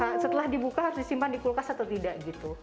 jadi setelah dibuka harus disimpan dikulkas atau tidak gitu